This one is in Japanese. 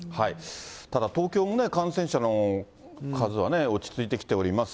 ただ、東京も感染者の数はね、落ち着いてきております。